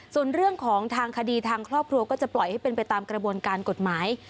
ส่วนเรื่องของทางคดีทางครอบครัวก็จะปล่อยให้เป็นไปตามกระบวนการกฎหมาย